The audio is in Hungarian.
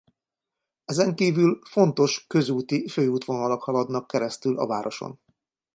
Ezenkívül fontos közúti főútvonalak haladnak keresztül a városon.